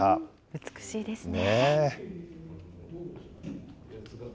美しいですね。